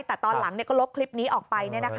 แต่ตอนหลังก็ลบคลิปนี้ออกไปเนี่ยนะคะ